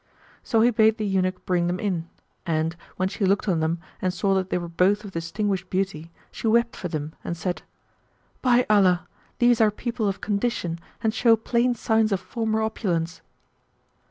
So he bade the eunuch bring them in; and, when she looked on them; and saw that they were both of distinguished beauty, she wept for them; and said, "By Allah, these are people of condition and show plain signs of former opulence."